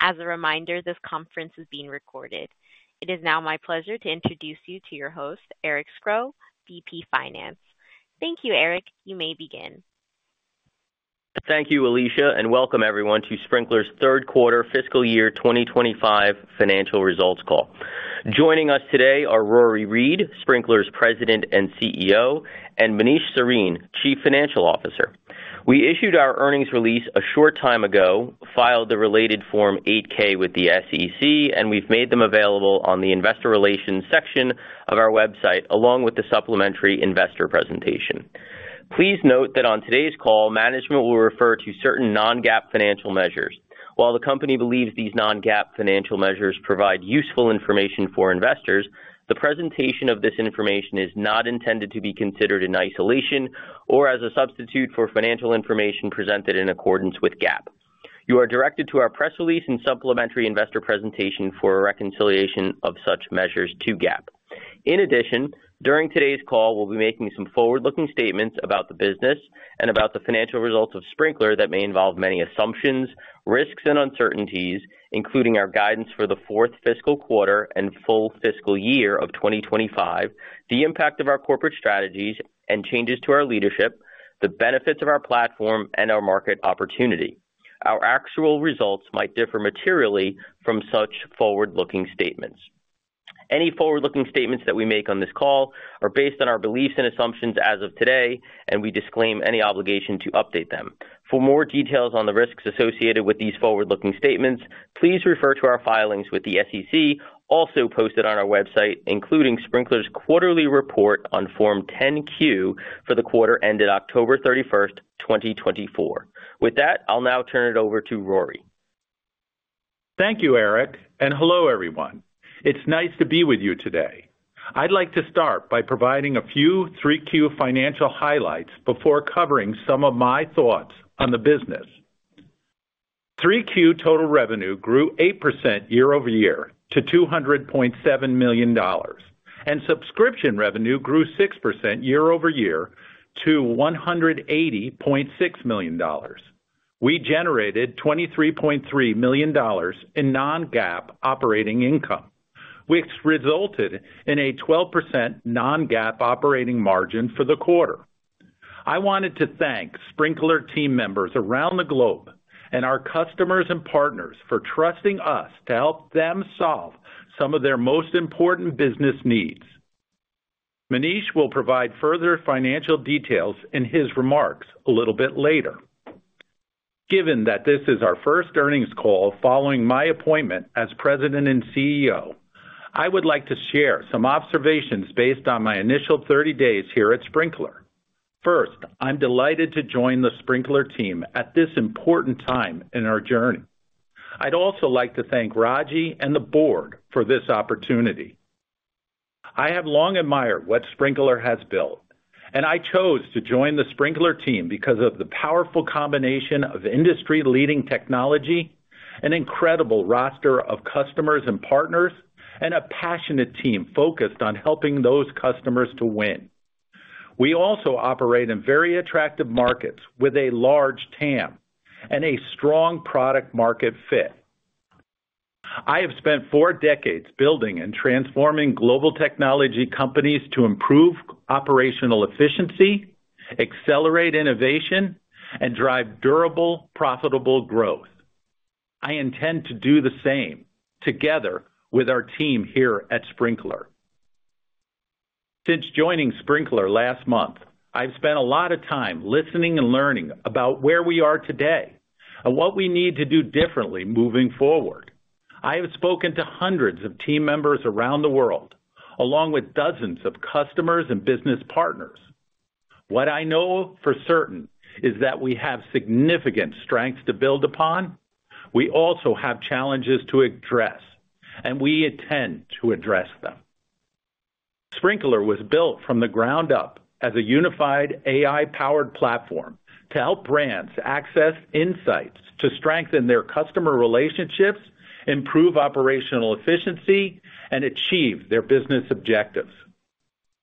As a reminder, this conference is being recorded. It is now my pleasure to introduce you to your host, Eric Scro, VP Finance. Thank you, Eric. You may begin. Thank you, Alicia, and welcome everyone to Sprinklr's third quarter fiscal year 2025 financial results call. Joining us today are Rory Read, Sprinklr's President and CEO, and Manish Sarin, Chief Financial Officer. We issued our earnings release a short time ago, filed the related Form 8-K with the SEC, and we've made them available on the Investor Relations section of our website, along with the supplementary investor presentation. Please note that on today's call, management will refer to certain non-GAAP financial measures. While the company believes these non-GAAP financial measures provide useful information for investors, the presentation of this information is not intended to be considered in isolation or as a substitute for financial information presented in accordance with GAAP. You are directed to our press release and supplementary investor presentation for a reconciliation of such measures to GAAP. In addition, during today's call, we'll be making some forward-looking statements about the business and about the financial results of Sprinklr that may involve many assumptions, risks, and uncertainties, including our guidance for the fourth fiscal quarter and full fiscal year of 2025, the impact of our corporate strategies, and changes to our leadership, the benefits of our platform, and our market opportunity. Our actual results might differ materially from such forward-looking statements. Any forward-looking statements that we make on this call are based on our beliefs and assumptions as of today, and we disclaim any obligation to update them. For more details on the risks associated with these forward-looking statements, please refer to our filings with the SEC, also posted on our website, including Sprinklr's quarterly report on Form 10-Q for the quarter ended October 31st, 2024. With that, I'll now turn it over to Rory. Thank you, Eric, and hello everyone. It's nice to be with you today. I'd like to start by providing a few 3Q financial highlights before covering some of my thoughts on the business. 3Q total revenue grew 8% year over year to $200.7 million, and subscription revenue grew 6% year over year to $180.6 million. We generated $23.3 million in non-GAAP operating income, which resulted in a 12% non-GAAP operating margin for the quarter. I wanted to thank Sprinklr team members around the globe and our customers and partners for trusting us to help them solve some of their most important business needs. Manish will provide further financial details in his remarks a little bit later. Given that this is our first earnings call following my appointment as President and CEO, I would like to share some observations based on my initial 30 days here at Sprinklr. First, I'm delighted to join the Sprinklr team at this important time in our journey. I'd also like to thank Ragy and the board for this opportunity. I have long admired what Sprinklr has built, and I chose to join the Sprinklr team because of the powerful combination of industry-leading technology, an incredible roster of customers and partners, and a passionate team focused on helping those customers to win. We also operate in very attractive markets with a large TAM and a strong product-market fit. I have spent four decades building and transforming global technology companies to improve operational efficiency, accelerate innovation, and drive durable, profitable growth. I intend to do the same together with our team here at Sprinklr. Since joining Sprinklr last month, I've spent a lot of time listening and learning about where we are today and what we need to do differently moving forward. I have spoken to hundreds of team members around the world, along with dozens of customers and business partners. What I know for certain is that we have significant strengths to build upon. We also have challenges to address, and we intend to address them. Sprinklr was built from the ground up as a unified AI-powered platform to help brands access insights to strengthen their customer relationships, improve operational efficiency, and achieve their business objectives.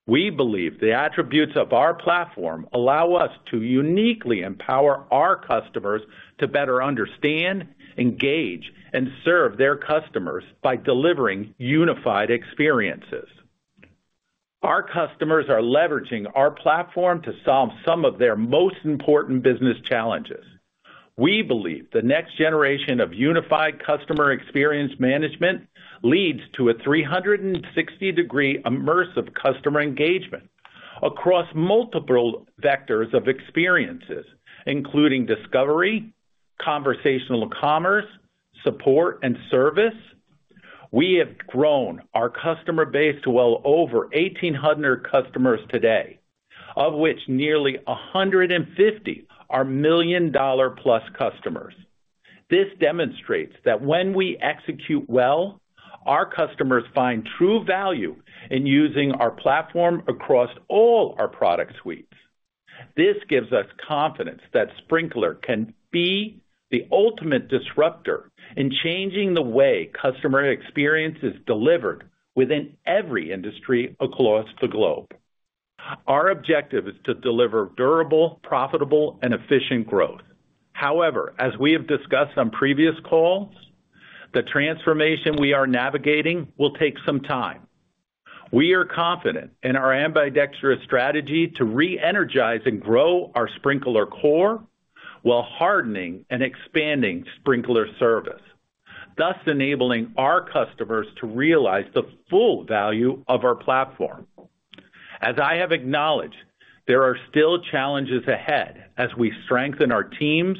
We believe the attributes of our platform allow us to uniquely empower our customers to better understand, engage, and serve their customers by delivering unified experiences. Our customers are leveraging our platform to solve some of their most important business challenges. We believe the next generation of unified customer experience management leads to a 360-degree immersive customer engagement across multiple vectors of experiences, including discovery, conversational commerce, support, and service. We have grown our customer base to well over 1,800 customers today, of which nearly 150 are million-dollar-plus customers. This demonstrates that when we execute well, our customers find true value in using our platform across all our product suites. This gives us confidence that Sprinklr can be the ultimate disruptor in changing the way customer experience is delivered within every industry across the globe. Our objective is to deliver durable, profitable, and efficient growth. However, as we have discussed on previous calls, the transformation we are navigating will take some time. We are confident in our ambidextrous strategy to re-energize and grow our Sprinklr core while hardening and expanding Sprinklr Service, thus enabling our customers to realize the full value of our platform. As I have acknowledged, there are still challenges ahead as we strengthen our teams,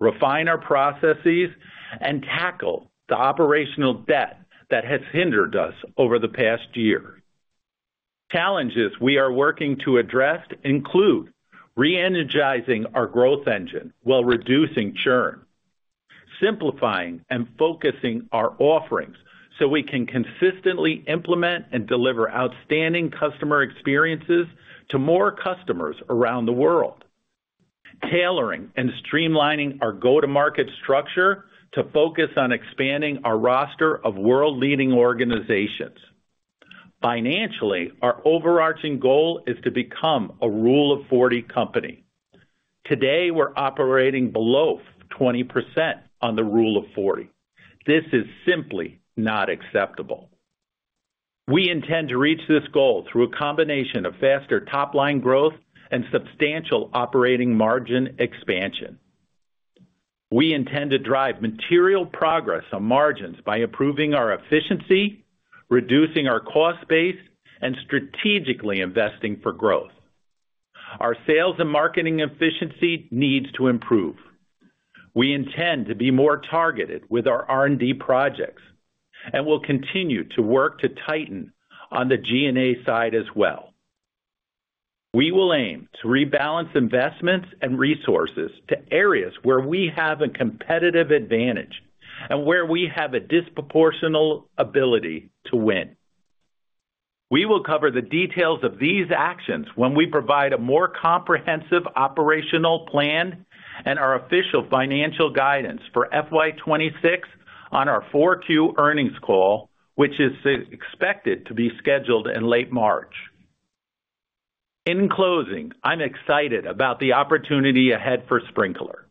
refine our processes, and tackle the operational debt that has hindered us over the past year. Challenges we are working to address include re-energizing our growth engine while reducing churn, simplifying, and focusing our offerings so we can consistently implement and deliver outstanding customer experiences to more customers around the world, tailoring and streamlining our go-to-market structure to focus on expanding our roster of world-leading organizations. Financially, our overarching goal is to become a Rule of 40 company. Today, we're operating below 20% on the Rule of 40. This is simply not acceptable. We intend to reach this goal through a combination of faster top-line growth and substantial operating margin expansion. We intend to drive material progress on margins by improving our efficiency, reducing our cost base, and strategically investing for growth. Our sales and marketing efficiency needs to improve. We intend to be more targeted with our R&D projects and will continue to work to tighten on the G&A side as well. We will aim to rebalance investments and resources to areas where we have a competitive advantage and where we have a disproportional ability to win. We will cover the details of these actions when we provide a more comprehensive operational plan and our official financial guidance for FY26 on our 4Q earnings call, which is expected to be scheduled in late March. In closing, I'm excited about the opportunity ahead for Sprinklr.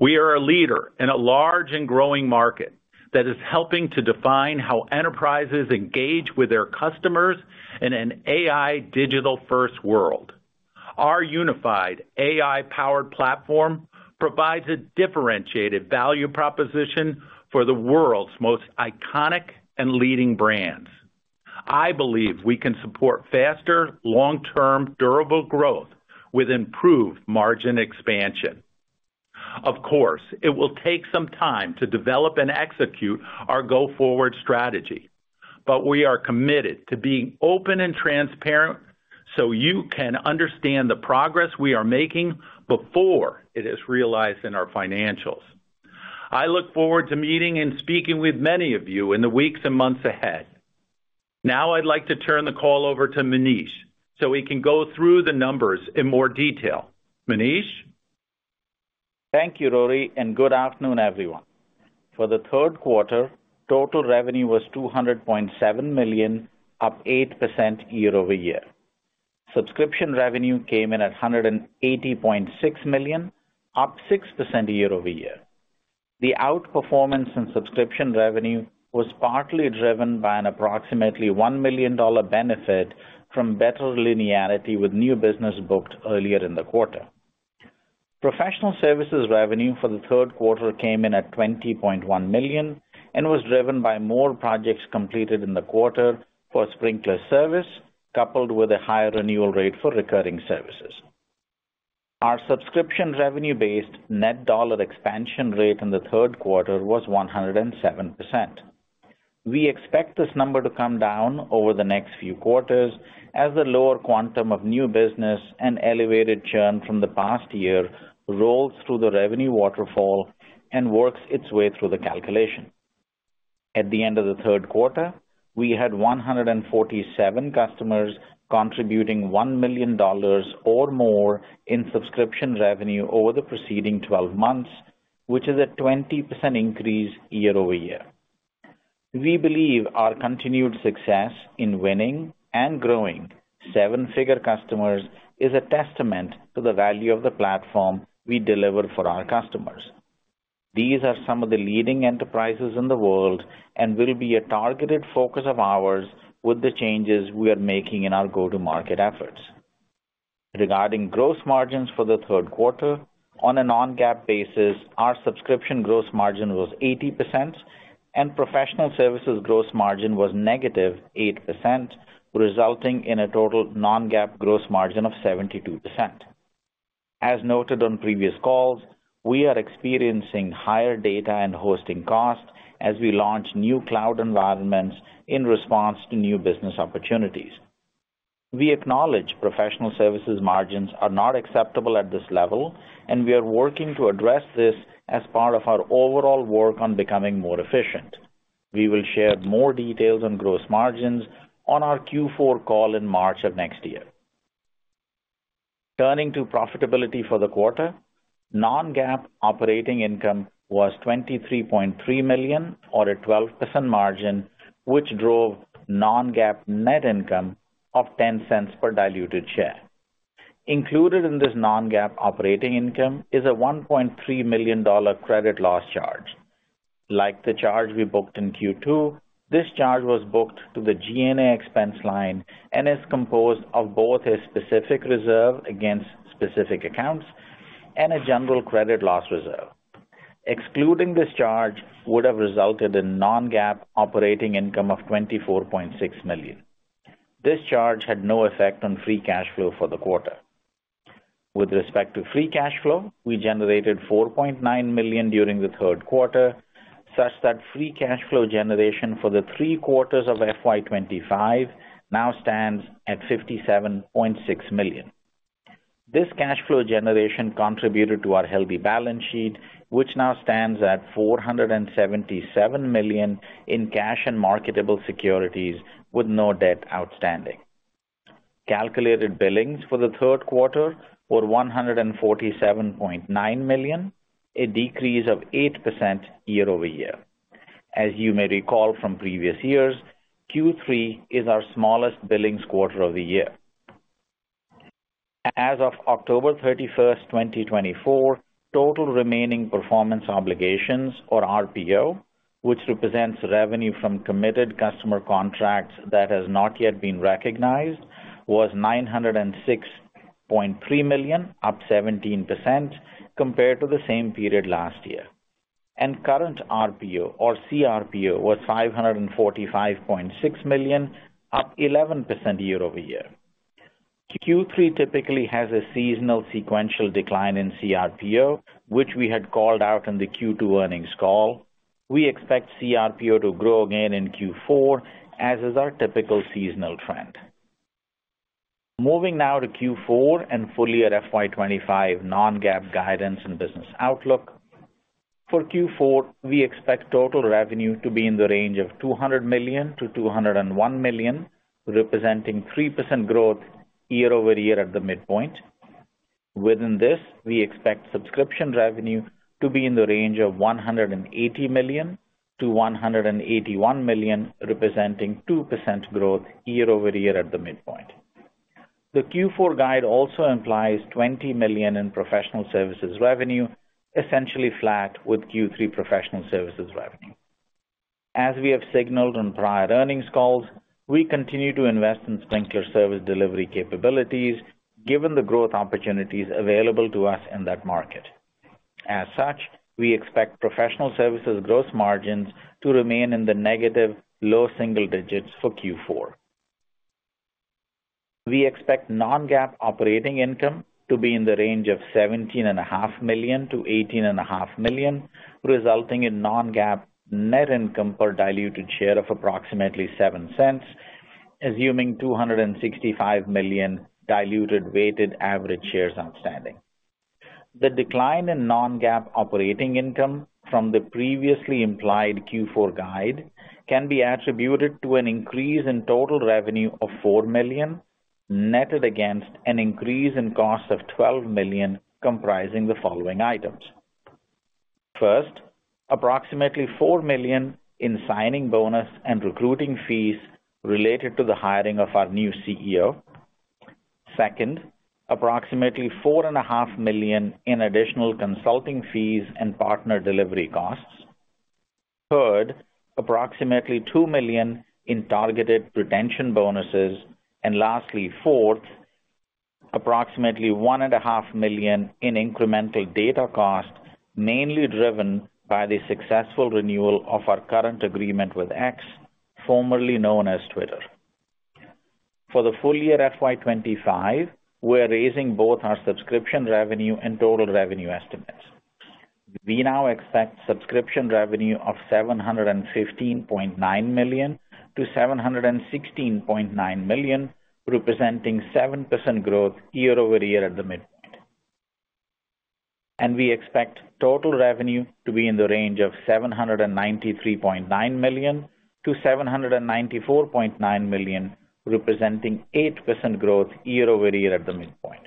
We are a leader in a large and growing market that is helping to define how enterprises engage with their customers in an AI digital-first world. Our unified AI-powered platform provides a differentiated value proposition for the world's most iconic and leading brands. I believe we can support faster, long-term, durable growth with improved margin expansion. Of course, it will take some time to develop and execute our go-forward strategy, but we are committed to being open and transparent so you can understand the progress we are making before it is realized in our financials. I look forward to meeting and speaking with many of you in the weeks and months ahead. Now, I'd like to turn the call over to Manish so we can go through the numbers in more detail. Manish? Thank you, Rory, and good afternoon, everyone. For the third quarter, total revenue was $200.7 million, up 8% year over year. Subscription revenue came in at $180.6 million, up 6% year over year. The outperformance in subscription revenue was partly driven by an approximately $1 million benefit from better linearity with new business booked earlier in the quarter. Professional services revenue for the third quarter came in at $20.1 million and was driven by more projects completed in the quarter for Sprinklr Service, coupled with a higher renewal rate for recurring services. Our subscription revenue-based net dollar expansion rate in the third quarter was 107%. We expect this number to come down over the next few quarters as the lower quantum of new business and elevated churn from the past year rolls through the revenue waterfall and works its way through the calculation. At the end of the third quarter, we had 147 customers contributing $1 million or more in subscription revenue over the preceding 12 months, which is a 20% increase year over year. We believe our continued success in winning and growing seven-figure customers is a testament to the value of the platform we deliver for our customers. These are some of the leading enterprises in the world and will be a targeted focus of ours with the changes we are making in our go-to-market efforts. Regarding gross margins for the third quarter, on a non-GAAP basis, our subscription gross margin was 80%, and professional services gross margin was negative 8%, resulting in a total non-GAAP gross margin of 72%. As noted on previous calls, we are experiencing higher data and hosting costs as we launch new cloud environments in response to new business opportunities. We acknowledge professional services margins are not acceptable at this level, and we are working to address this as part of our overall work on becoming more efficient. We will share more details on gross margins on our Q4 call in March of next year. Turning to profitability for the quarter, non-GAAP operating income was $23.3 million, or a 12% margin, which drove non-GAAP net income of $0.10 per diluted share. Included in this non-GAAP operating income is a $1.3 million credit loss charge. Like the charge we booked in Q2, this charge was booked to the G&A expense line and is composed of both a specific reserve against specific accounts and a general credit loss reserve. Excluding this charge would have resulted in non-GAAP operating income of $24.6 million. This charge had no effect on free cash flow for the quarter. With respect to free cash flow, we generated $4.9 million during the third quarter, such that free cash flow generation for the three quarters of FY25 now stands at $57.6 million. This cash flow generation contributed to our healthy balance sheet, which now stands at $477 million in cash and marketable securities with no debt outstanding. Calculated billings for the third quarter were $147.9 million, a decrease of 8% year over year. As you may recall from previous years, Q3 is our smallest billings quarter of the year. As of October 31, 2024, total remaining performance obligations, or RPO, which represents revenue from committed customer contracts that has not yet been recognized, was $906.3 million, up 17% compared to the same period last year, and current RPO, or CRPO, was $545.6 million, up 11% year over year. Q3 typically has a seasonal sequential decline in CRPO, which we had called out in the Q2 earnings call. We expect CRPO to grow again in Q4, as is our typical seasonal trend. Moving now to Q4 and full FY25 non-GAAP guidance and business outlook. For Q4, we expect total revenue to be in the range of $200 million-$201 million, representing 3% growth year over year at the midpoint. Within this, we expect subscription revenue to be in the range of $180 million-$181 million, representing 2% growth year over year at the midpoint. The Q4 guide also implies $20 million in professional services revenue, essentially flat with Q3 professional services revenue. As we have signaled on prior earnings calls, we continue to invest in Sprinklr Service delivery capabilities given the growth opportunities available to us in that market. As such, we expect professional services gross margins to remain in the negative low single digits for Q4. We expect non-GAAP operating income to be in the range of $17.5-$18.5 million, resulting in non-GAAP net income per diluted share of approximately $0.07, assuming $265 million diluted weighted average shares outstanding. The decline in non-GAAP operating income from the previously implied Q4 guide can be attributed to an increase in total revenue of $4 million, netted against an increase in cost of $12 million, comprising the following items. First, approximately $4 million in signing bonus and recruiting fees related to the hiring of our new CEO. Second, approximately $4.5 million in additional consulting fees and partner delivery costs. Third, approximately $2 million in targeted retention bonuses. Lastly, fourth, approximately $1.5 million in incremental data cost, mainly driven by the successful renewal of our current agreement with X, formerly known as Twitter. For the full year FY25, we're raising both our subscription revenue and total revenue estimates. We now expect subscription revenue of $715.9-$716.9 million, representing 7% growth year over year at the midpoint. And we expect total revenue to be in the range of $793.9-$794.9 million, representing 8% growth year over year at the midpoint.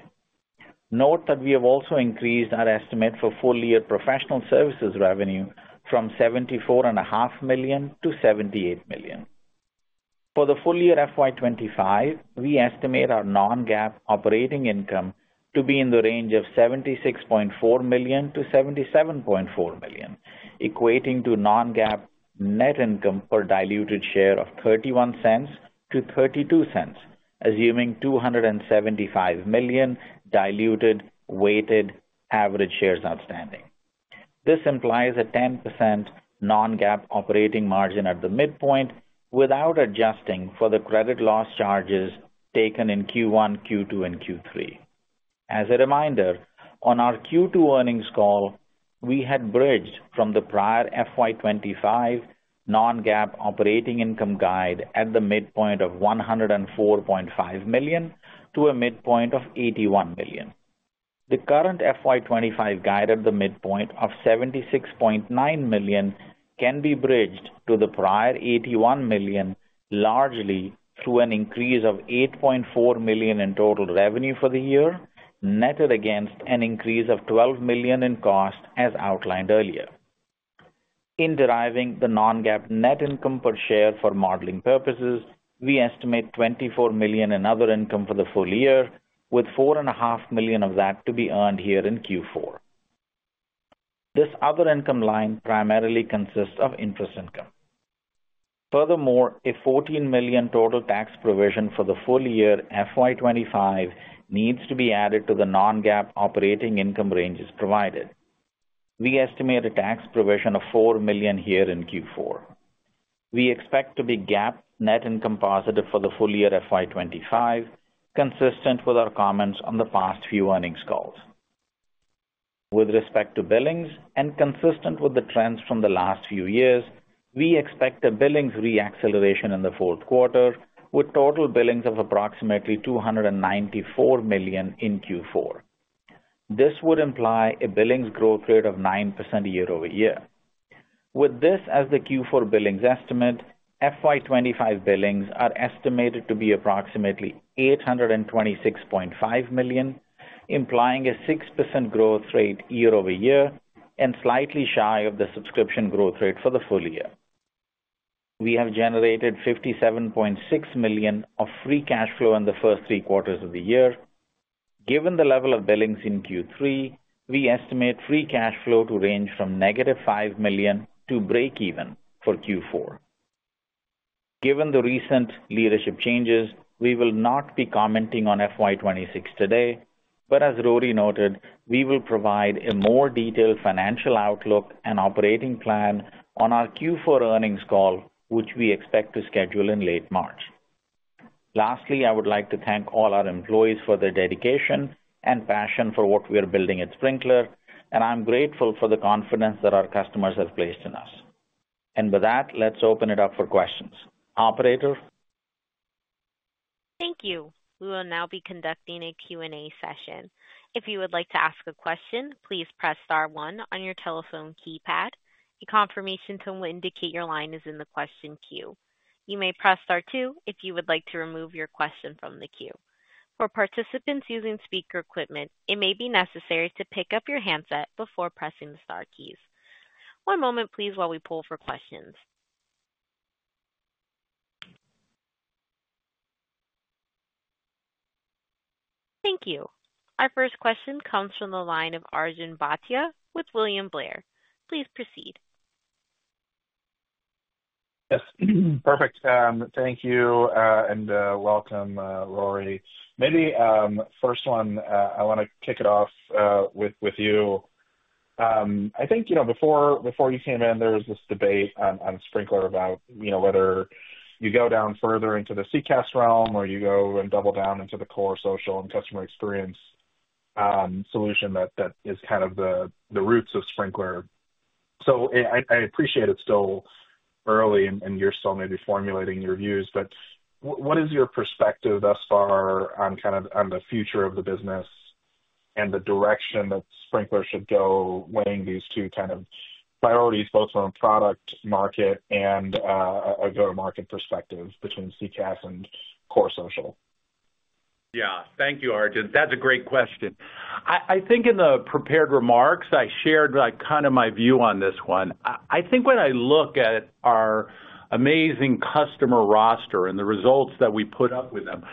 Note that we have also increased our estimate for full year professional services revenue from $74.5-$78 million. For the full year FY25, we estimate our non-GAAP operating income to be in the range of $76.4-$77.4 million, equating to non-GAAP net income per diluted share of $0.31-$0.32, assuming $275 million diluted weighted average shares outstanding. This implies a 10% non-GAAP operating margin at the midpoint without adjusting for the credit loss charges taken in Q1, Q2, and Q3. As a reminder, on our Q2 earnings call, we had bridged from the prior FY25 non-GAAP operating income guide at the midpoint of $104.5 million to a midpoint of $81 million. The current FY25 guide at the midpoint of $76.9 million can be bridged to the prior $81 million, largely through an increase of $8.4 million in total revenue for the year, netted against an increase of $12 million in cost, as outlined earlier. In deriving the non-GAAP net income per share for modeling purposes, we estimate $24 million in other income for the full year, with $4.5 million of that to be earned here in Q4. This other income line primarily consists of interest income. Furthermore, a $14 million total tax provision for the full year FY25 needs to be added to the non-GAAP operating income ranges provided. We estimate a tax provision of $4 million here in Q4. We expect to be GAAP net income positive for the full year FY25, consistent with our comments on the past few earnings calls. With respect to billings and consistent with the trends from the last few years, we expect a billings reacceleration in the fourth quarter, with total billings of approximately $294 million in Q4. This would imply a billings growth rate of 9% year over year. With this as the Q4 billings estimate, FY25 billings are estimated to be approximately $826.5 million, implying a 6% growth rate year over year and slightly shy of the subscription growth rate for the full year. We have generated $57.6 million of free cash flow in the first three quarters of the year. Given the level of billings in Q3, we estimate free cash flow to range from -$5 million to breakeven for Q4. Given the recent leadership changes, we will not be commenting on FY26 today, but as Rory noted, we will provide a more detailed financial outlook and operating plan on our Q4 earnings call, which we expect to schedule in late March. Lastly, I would like to thank all our employees for their dedication and passion for what we are building at Sprinklr, and I'm grateful for the confidence that our customers have placed in us. With that, let's open it up for questions. Operator? Thank you. We will now be conducting a Q&A session. If you would like to ask a question, please press star one on your telephone keypad. A confirmation to indicate your line is in the question queue. You may press star two if you would like to remove your question from the queue. For participants using speaker equipment, it may be necessary to pick up your handset before pressing the star keys. One moment, please, while we pull for questions. Thank you. Our first question comes from the line of Arjun Bhatia with William Blair. Please proceed. Yes. Perfect. Thank you and welcome, Rory. Maybe first one, I want to kick it off with you. I think before you came in, there was this debate on Sprinklr about whether you go down further into the CCaaS realm or you go and double down into the core social and customer experience solution that is kind of the roots of Sprinklr. So I appreciate it's still early and you're still maybe formulating your views, but what is your perspective thus far on kind of the future of the business and the direction that Sprinklr should go weighing these two kind of priorities, both from a product market and a go-to-market perspective between CCaaS and core social? Yeah. Thank you, Arjun. That's a great question. I think in the prepared remarks, I shared kind of my view on this one. I think when I look at our amazing customer roster and the results that we put up with them,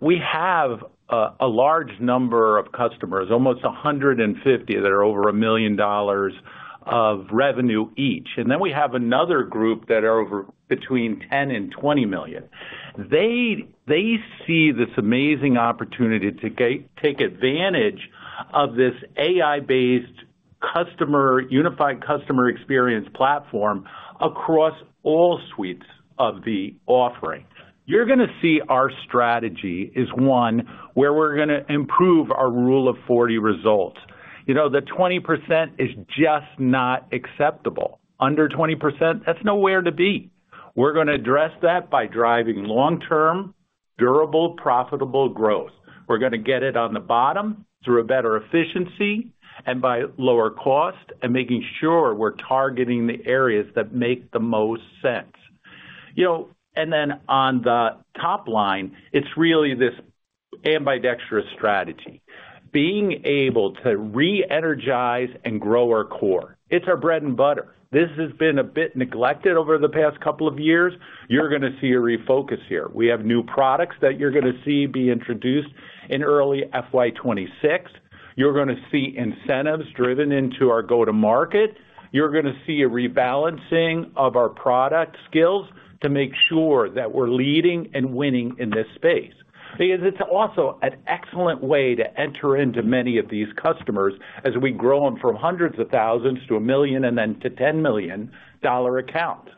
we have a large number of customers, almost 150 that are over $1 million of revenue each. And then we have another group that are over between $10 million and $20 million. They see this amazing opportunity to take advantage of this AI-based unified customer experience platform across all suites of the offering. You're going to see our strategy is one where we're going to improve our Rule of 40 results. The 20% is just not acceptable. Under 20%, that's nowhere to be. We're going to address that by driving long-term, durable, profitable growth. We're going to get it on the bottom through a better efficiency and by lower cost and making sure we're targeting the areas that make the most sense. And then on the top line, it's really this ambidextrous strategy, being able to re-energize and grow our core. It's our bread and butter. This has been a bit neglected over the past couple of years. You're going to see a refocus here. We have new products that you're going to see be introduced in early FY26. You're going to see incentives driven into our go-to-market. You're going to see a rebalancing of our product skills to make sure that we're leading and winning in this space. Because it's also an excellent way to enter into many of these customers as we grow them from hundreds of thousands to a million and then to $10 million accounts.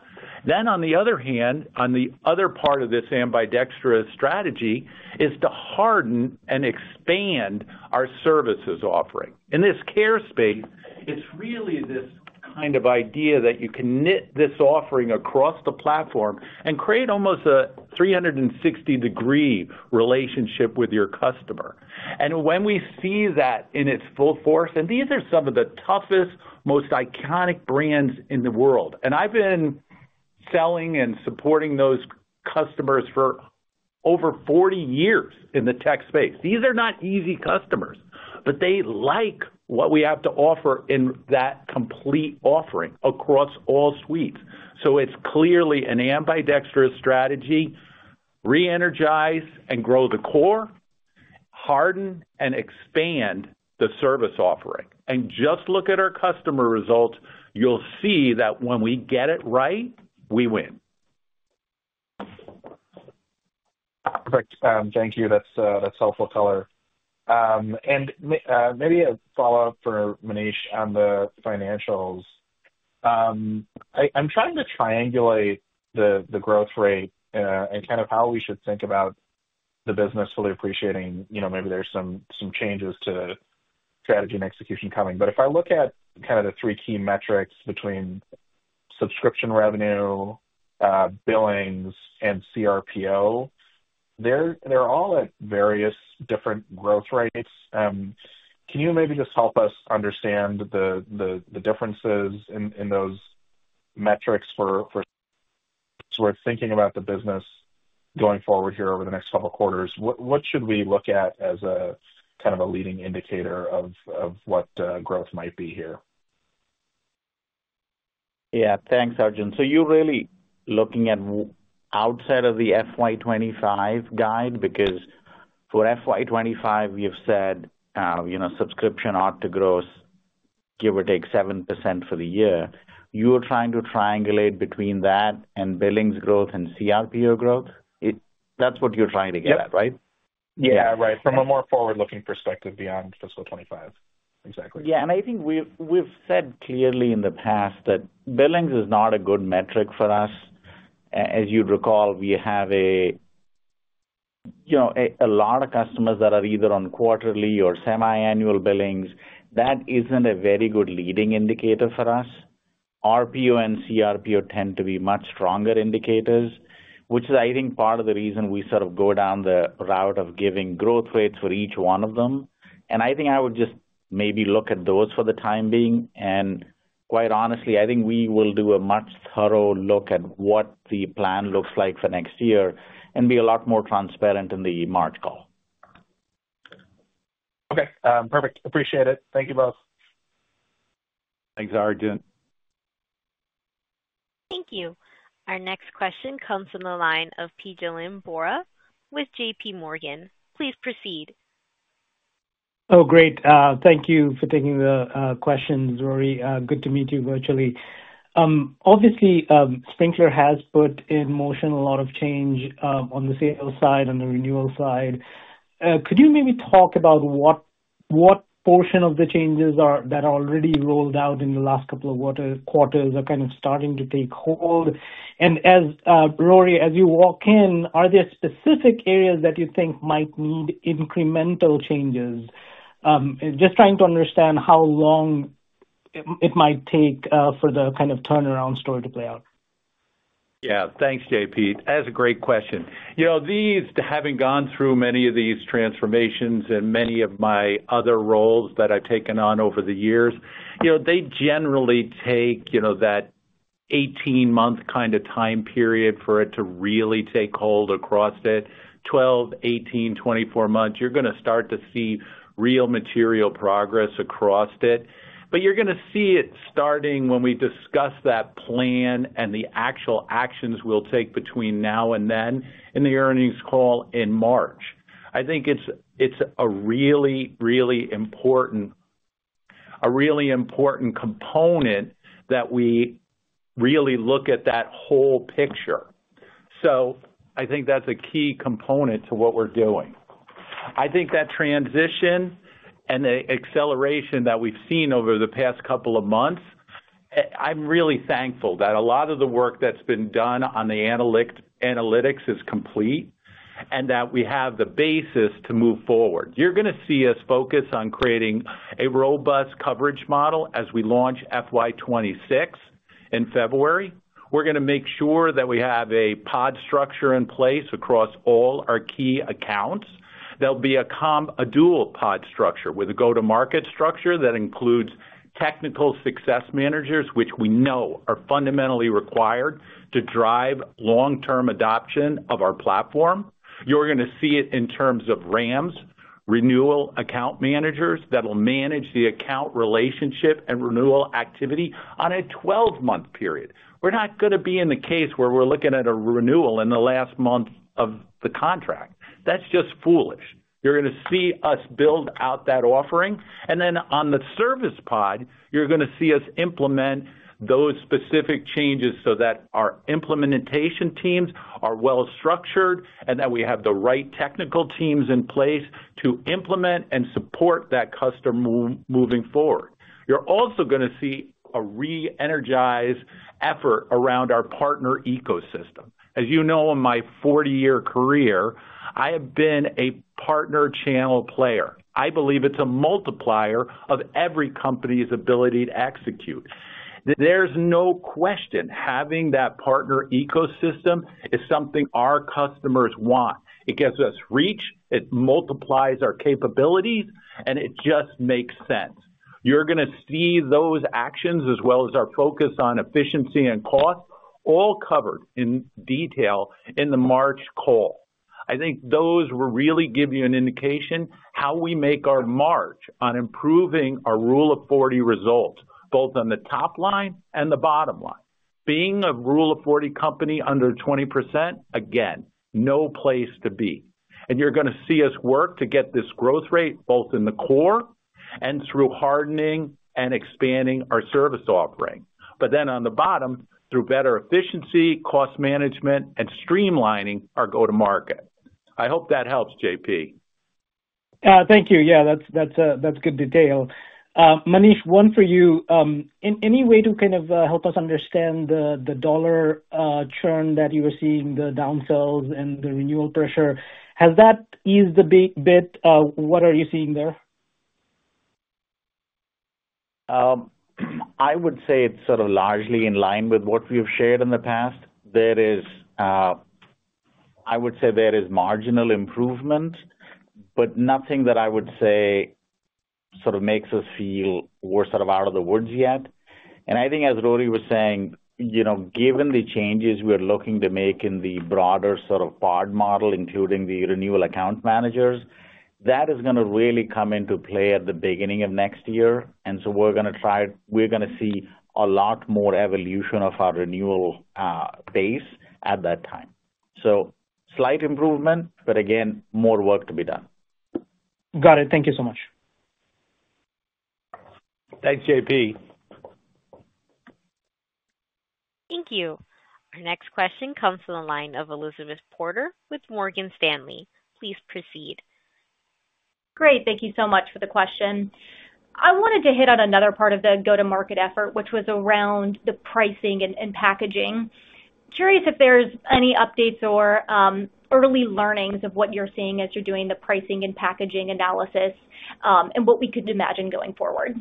On the other hand, on the other part of this ambidextrous strategy is to harden and expand our services offering. In this care space, it's really this kind of idea that you can knit this offering across the platform and create almost a 360-degree relationship with your customer. And when we see that in its full force, and these are some of the toughest, most iconic brands in the world. And I've been selling and supporting those customers for over 40 years in the tech space. These are not easy customers, but they like what we have to offer in that complete offering across all suites. So it's clearly an ambidextrous strategy, re-energize and grow the core, harden and expand the service offering. And just look at our customer results. You'll see that when we get it right, we win. Perfect. Thank you. That's helpful color. And maybe a follow-up for Manish on the financials. I'm trying to triangulate the growth rate and kind of how we should think about the business fully appreciating. Maybe there's some changes to strategy and execution coming. But if I look at kind of the three key metrics between subscription revenue, billings, and CRPO, they're all at various different growth rates. Can you maybe just help us understand the differences in those metrics for thinking about the business going forward here over the next couple of quarters? What should we look at as a kind of a leading indicator of what growth might be here? Yeah. Thanks, Arjun. So you're really looking at outside of the FY25 guide because for FY25, you've said subscription ought to grow, give or take 7% for the year. You're trying to triangulate between that and billings growth and CRPO growth. That's what you're trying to get at, right? Yeah. Right. From a more forward-looking perspective beyond fiscal 2025. Exactly. Yeah. And I think we've said clearly in the past that billings is not a good metric for us. As you recall, we have a lot of customers that are either on quarterly or semiannual billings. That isn't a very good leading indicator for us. RPO and CRPO tend to be much stronger indicators, which is, I think, part of the reason we sort of go down the route of giving growth rates for each one of them. And I think I would just maybe look at those for the time being. And quite honestly, I think we will do a much thorough look at what the plan looks like for next year and be a lot more transparent in the March call. Okay. Perfect. Appreciate it. Thank you both. Thanks, Arjun. Thank you. Our next question comes from the line of Pinjalim Bora with JP Morgan. Please proceed. Oh, great. Thank you for taking the questions, Rory. Good to meet you virtually. Obviously, Sprinklr has put in motion a lot of change on the sales side and the renewal side. Could you maybe talk about what portion of the changes that are already rolled out in the last couple of quarters are kind of starting to take hold? And Rory, as you walk in, are there specific areas that you think might need incremental changes? Just trying to understand how long it might take for the kind of turnaround story to play out. Yeah. Thanks, JP. That's a great question. Having gone through many of these transformations and many of my other roles that I've taken on over the years, they generally take that 18-month kind of time period for it to really take hold across it. 12, 18, 24 months, you're going to start to see real material progress across it. But you're going to see it starting when we discuss that plan and the actual actions we'll take between now and then in the earnings call in March. I think it's a really, really important component that we really look at that whole picture. So I think that's a key component to what we're doing. I think that transition and the acceleration that we've seen over the past couple of months. I'm really thankful that a lot of the work that's been done on the analytics is complete and that we have the basis to move forward. You're going to see us focus on creating a robust coverage model as we launch FY26 in February. We're going to make sure that we have a pod structure in place across all our key accounts. There'll be a dual pod structure with a go-to-market structure that includes technical success managers, which we know are fundamentally required to drive long-term adoption of our platform. You're going to see it in terms of RAMs, renewal account managers that will manage the account relationship and renewal activity on a 12-month period. We're not going to be in the case where we're looking at a renewal in the last month of the contract. That's just foolish. You're going to see us build out that offering. And then on the service pod, you're going to see us implement those specific changes so that our implementation teams are well-structured and that we have the right technical teams in place to implement and support that customer moving forward. You're also going to see a re-energized effort around our partner ecosystem. As you know, in my 40-year career, I have been a partner channel player. I believe it's a multiplier of every company's ability to execute. There's no question having that partner ecosystem is something our customers want. It gives us reach, it multiplies our capabilities, and it just makes sense. You're going to see those actions as well as our focus on efficiency and cost all covered in detail in the March call. I think those will really give you an indication of how we make our march on improving our Rule of 40 results, both on the top line and the bottom line. Being a Rule of 40 company under 20%, again, no place to be, and you're going to see us work to get this growth rate both in the core and through hardening and expanding our service offering. But then on the bottom, through better efficiency, cost management, and streamlining our go-to-market. I hope that helps, JP. Thank you. Yeah, that's good detail. Manish, one for you. Any way to kind of help us understand the dollar churn that you were seeing, the downsells and the renewal pressure? Has that eased a bit? What are you seeing there? I would say it's sort of largely in line with what we've shared in the past. I would say there is marginal improvement, but nothing that I would say sort of makes us feel we're sort of out of the woods yet. And I think, as Rory was saying, given the changes we're looking to make in the broader sort of pod model, including the renewal account managers, that is going to really come into play at the beginning of next year. And so we're going to see a lot more evolution of our renewal base at that time. So slight improvement, but again, more work to be done. Got it. Thank you so much. Thanks, JP. Thank you. Our next question comes from the line of Elizabeth Porter with Morgan Stanley. Please proceed. Great. Thank you so much for the question. I wanted to hit on another part of the go-to-market effort, which was around the pricing and packaging. Curious if there's any updates or early learnings of what you're seeing as you're doing the pricing and packaging analysis and what we could imagine going forward?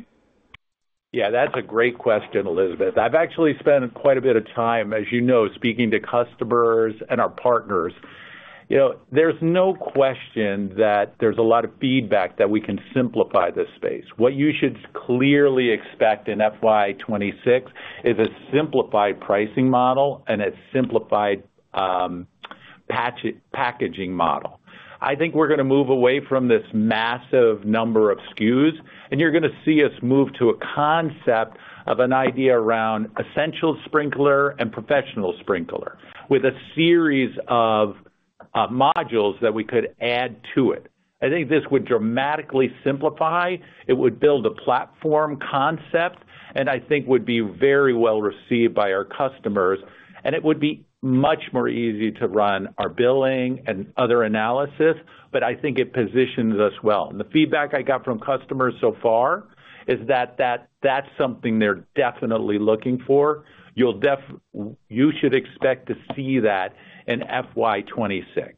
Yeah, that's a great question, Elizabeth. I've actually spent quite a bit of time, as you know, speaking to customers and our partners. There's no question that there's a lot of feedback that we can simplify this space. What you should clearly expect in FY26 is a simplified pricing model and a simplified packaging model. I think we're going to move away from this massive number of SKUs, and you're going to see us move to a concept of an idea around Essential Sprinklr and Professional Sprinklr with a series of modules that we could add to it. I think this would dramatically simplify. It would build a platform concept, and I think would be very well received by our customers, and it would be much more easy to run our billing and other analysis, but I think it positions us well. The feedback I got from customers so far is that that's something they're definitely looking for. You should expect to see that in FY26.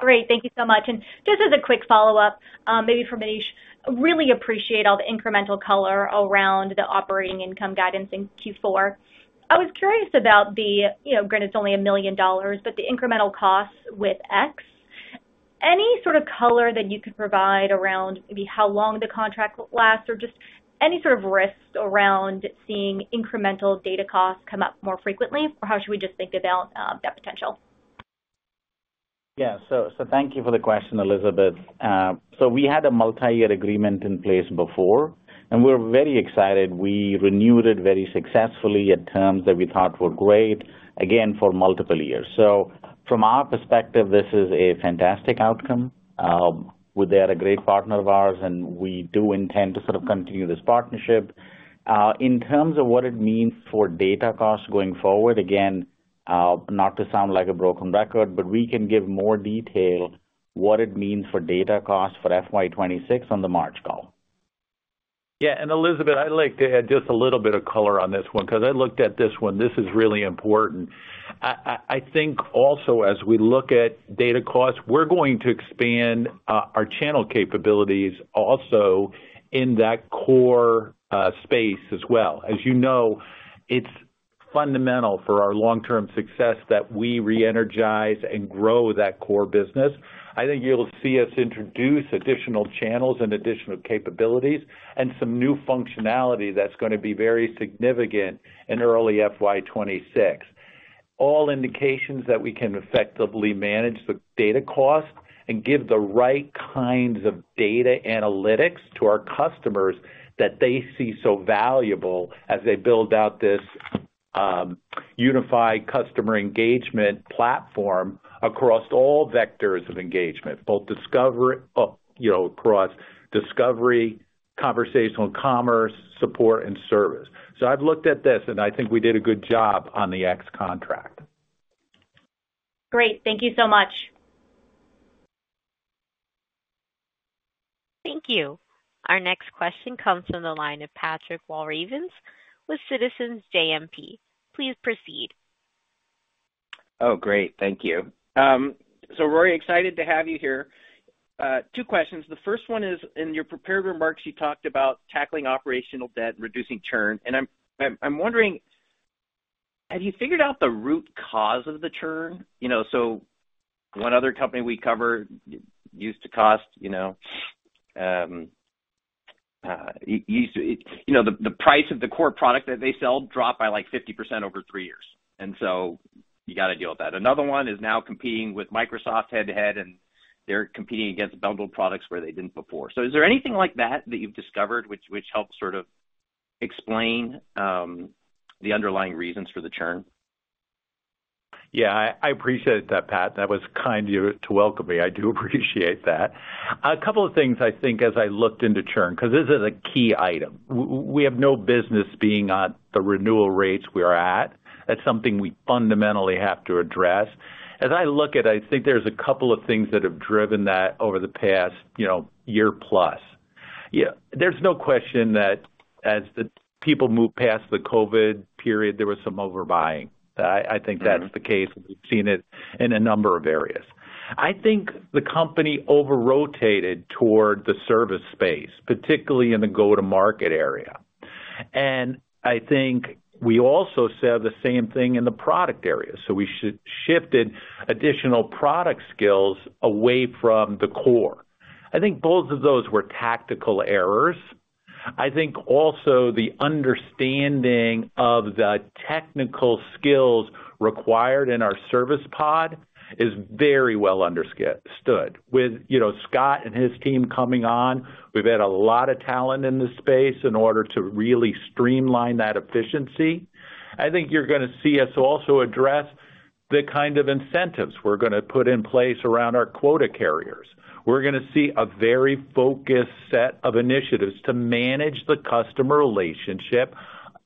Great. Thank you so much. And just as a quick follow-up, maybe for Manish, really appreciate all the incremental color around the operating income guidance in Q4. I was curious about the, granted, it's only $1 million, but the incremental costs with X. Any sort of color that you could provide around maybe how long the contract lasts or just any sort of risks around seeing incremental data costs come up more frequently, or how should we just think about that potential? Yeah. So thank you for the question, Elizabeth. So we had a multi-year agreement in place before, and we're very excited. We renewed it very successfully at terms that we thought were great, again, for multiple years. So from our perspective, this is a fantastic outcome. They are a great partner of ours, and we do intend to sort of continue this partnership. In terms of what it means for data costs going forward, again, not to sound like a broken record, but we can give more detail what it means for data costs for FY26 on the March call. Yeah. And Elizabeth, I'd like to add just a little bit of color on this one because I looked at this one. This is really important. I think also, as we look at data costs, we're going to expand our channel capabilities also in that core space as well. As you know, it's fundamental for our long-term success that we re-energize and grow that core business. I think you'll see us introduce additional channels and additional capabilities and some new functionality that's going to be very significant in early FY26. All indications that we can effectively manage the data costs and give the right kinds of data analytics to our customers that they see so valuable as they build out this unified customer engagement platform across all vectors of engagement, both across discovery, conversational commerce, support, and service. So I've looked at this, and I think we did a good job on the X contract. Great. Thank you so much. Thank you. Our next question comes from the line of Patrick Walravens with Citizens JMP. Please proceed. Oh, great. Thank you. So Rory, excited to have you here. Two questions. The first one is, in your prepared remarks, you talked about tackling operational debt and reducing churn. And I'm wondering, have you figured out the root cause of the churn? So one other company we cover used to cost, the price of the core product that they sell dropped by like 50% over three years. And so you got to deal with that. Another one is now competing with Microsoft head-to-head, and they're competing against bundled products where they didn't before. So is there anything like that that you've discovered which helps sort of explain the underlying reasons for the churn? Yeah. I appreciate that, Pat. That was kind of you to welcome me. I do appreciate that. A couple of things, I think, as I looked into churn because this is a key item. We have no business being at the renewal rates we are at. That's something we fundamentally have to address. As I look at it, I think there's a couple of things that have driven that over the past year plus. There's no question that as people move past the COVID period, there was some overbuying. I think that's the case. We've seen it in a number of areas. I think the company over-rotated toward the service space, particularly in the go-to-market area. And I think we also said the same thing in the product area. So we shifted additional product skills away from the core. I think both of those were tactical errors. I think also the understanding of the technical skills required in our service pod is very well understood. With Scott and his team coming on, we've had a lot of talent in this space in order to really streamline that efficiency. I think you're going to see us also address the kind of incentives we're going to put in place around our quota carriers. We're going to see a very focused set of initiatives to manage the customer relationship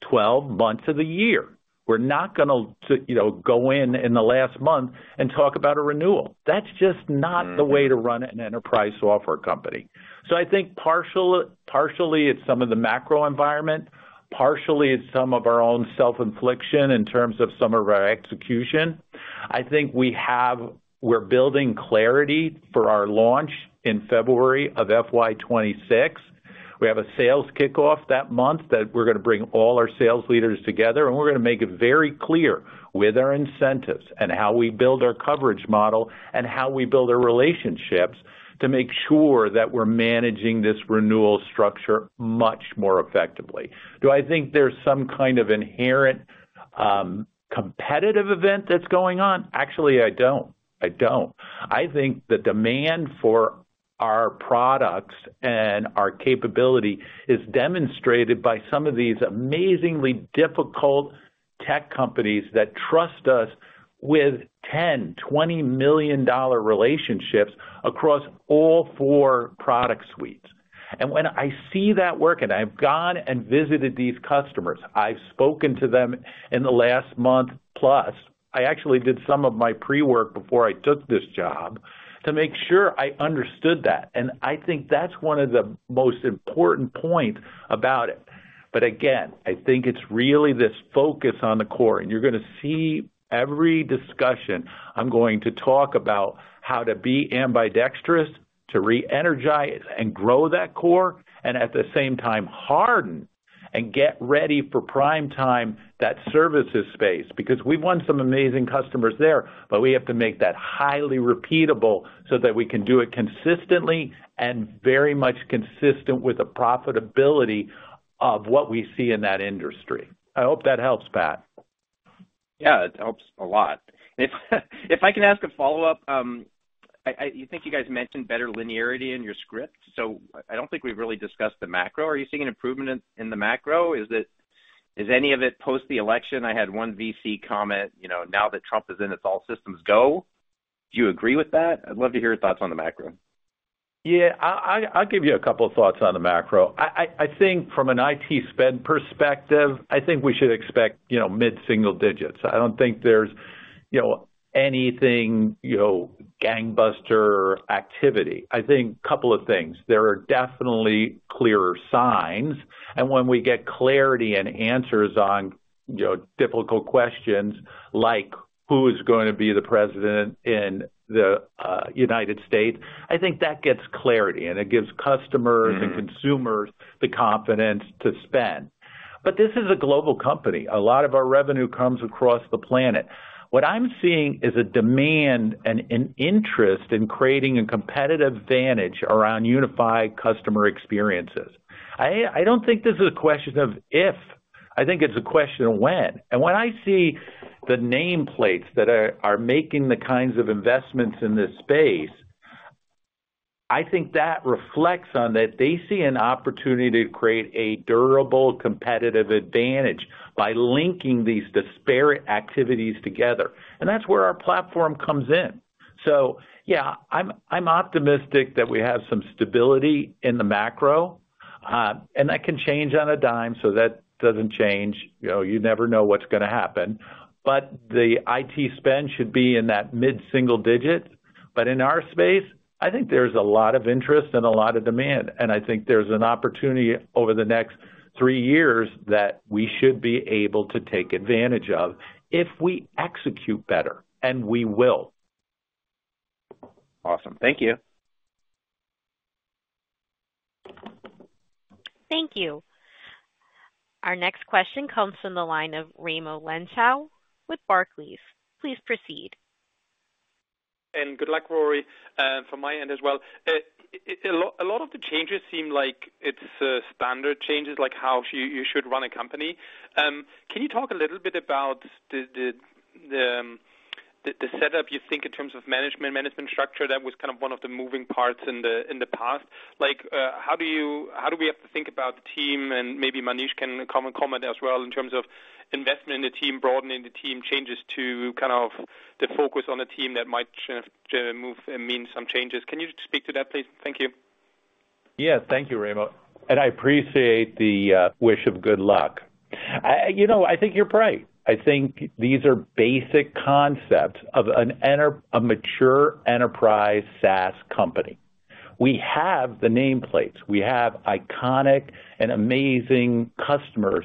12 months of the year. We're not going to go in the last month and talk about a renewal. That's just not the way to run an enterprise software company. So I think partially it's some of the macro environment, partially it's some of our own self-inflicted in terms of some of our execution. I think we're building clarity for our launch in February of FY26. We have a sales kickoff that month that we're going to bring all our sales leaders together, and we're going to make it very clear with our incentives and how we build our coverage model and how we build our relationships to make sure that we're managing this renewal structure much more effectively. Do I think there's some kind of inherent competitive event that's going on? Actually, I don't. I don't. I think the demand for our products and our capability is demonstrated by some of these amazingly difficult tech companies that trust us with $10-$20 million relationships across all four product suites. And when I see that work, and I've gone and visited these customers, I've spoken to them in the last month plus. I actually did some of my pre-work before I took this job to make sure I understood that. I think that's one of the most important points about it. Again, I think it's really this focus on the core. You're going to see every discussion. I'm going to talk about how to be ambidextrous, to re-energize and grow that core, and at the same time, harden and get ready for prime time that services space because we've won some amazing customers there, but we have to make that highly repeatable so that we can do it consistently and very much consistent with the profitability of what we see in that industry. I hope that helps, Pat. Yeah, it helps a lot. If I can ask a follow-up, I think you guys mentioned better linearity in your script. So I don't think we've really discussed the macro. Are you seeing improvement in the macro? Is any of it post the election? I had one VC comment, "Now that Trump is in, it's all systems go." Do you agree with that? I'd love to hear your thoughts on the macro. Yeah. I'll give you a couple of thoughts on the macro. I think from an IT spend perspective, I think we should expect mid-single digits. I don't think there's anything gangbuster activity. I think a couple of things. There are definitely clearer signs, and when we get clarity and answers on difficult questions like who is going to be the president in the United States, I think that gets clarity, and it gives customers and consumers the confidence to spend, but this is a global company. A lot of our revenue comes across the planet. What I'm seeing is a demand and an interest in creating a competitive advantage around unified customer experiences. I don't think this is a question of if. I think it's a question of when. And when I see the nameplates that are making the kinds of investments in this space, I think that reflects on that they see an opportunity to create a durable competitive advantage by linking these disparate activities together. And that's where our platform comes in. So yeah, I'm optimistic that we have some stability in the macro, and that can change on a dime. So that doesn't change. You never know what's going to happen. But the IT spend should be in that mid-single digit. But in our space, I think there's a lot of interest and a lot of demand. And I think there's an opportunity over the next three years that we should be able to take advantage of if we execute better, and we will. Awesome. Thank you. Thank you. Our next question comes from the line of Raimo Lenschow with Barclays. Please proceed. Good luck, Rory, from my end as well. A lot of the changes seem like it's standard changes, like how you should run a company. Can you talk a little bit about the setup you think in terms of management, management structure that was kind of one of the moving parts in the past? How do we have to think about the team? And maybe Manish can comment as well in terms of investment in the team, broadening the team, changes to kind of the focus on a team that might move and mean some changes. Can you speak to that, please? Thank you. Yeah. Thank you, Raimo. And I appreciate the wish of good luck. I think you're right. I think these are basic concepts of a mature enterprise SaaS company. We have the nameplates. We have iconic and amazing customers,